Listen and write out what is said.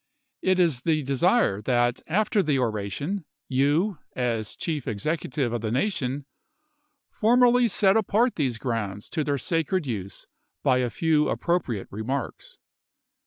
It is the desii*e that after the oration, you, as Chief Executive of the nation, formally set apart these grounds to their sacred use by a few appropriate remarks.